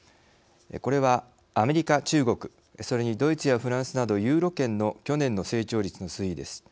これは、アメリカ、中国、それにドイツやフランスなどユーロ圏の去年の成長率の推移です。